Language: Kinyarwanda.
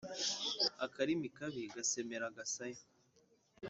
Akarimi kabi gasemera agasaya.